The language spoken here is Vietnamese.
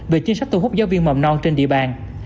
về chính sách thu hút giáo viên mầm non trên địa bàn